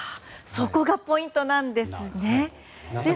そこがポイントなんですね。